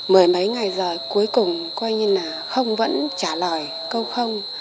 mười mấy ngày rồi cuối cùng coi như là không vẫn trả lời câu không